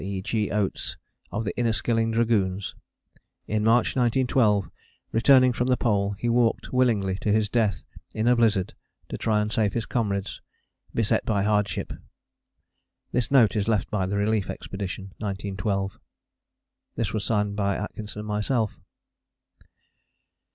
E. G. Oates of the Inniskilling Dragoons. In March 1912, returning from the Pole, he walked willingly to his death in a blizzard to try and save his comrades, beset by hardship. This note is left by the Relief Expedition. 1912. This was signed by Atkinson and myself.